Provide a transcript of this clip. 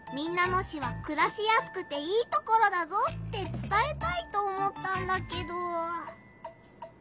野市はくらしやすくていいところだぞってつたえたいと思ったんだけど。